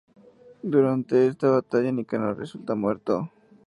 Durante esta batalla, Nicanor resulta muerto.